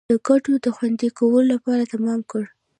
د ګټو د خوندي کولو لپاره تمام کړ.